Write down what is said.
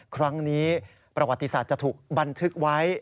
ครั้งนี้ประวัติศาสตร์จะถูกบันทึกไว้